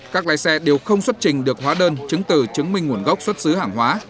các lái xe đều không xuất trình được hóa đơn chứng từ chứng minh nguồn gốc xuất xứ hàng hóa